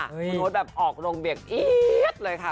คุณโอ๊ตแบบออกลงเบียกเลยค่ะ